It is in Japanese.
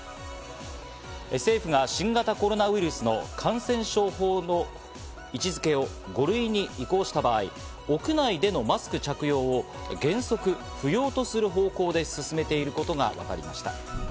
政府が新型コロナウイルスの感染症法の位置付けを５類に移行した場合、国内でのマスク着用を原則不要とする方向で進めていることがわかりました。